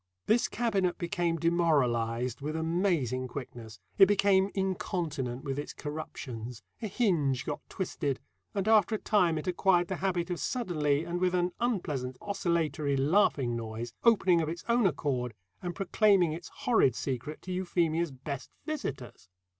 This cabinet became demoralised with amazing quickness; it became incontinent with its corruptions, a hinge got twisted, and after a time it acquired the habit of suddenly, and with an unpleasant oscillatory laughing noise, opening of its own accord and proclaiming its horrid secret to Euphemia's best visitors.